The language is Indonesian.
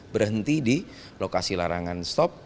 berhenti di lokasi larangan stop